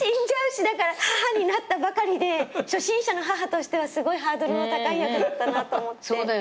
だから母になったばかりで初心者の母としてはすごいハードルの高い役だったなと思って。